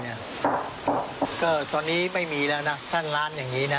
เนี่ยก็ตอนนี้ไม่มีแล้วน่ะท่านร้านอย่างงี้น่ะ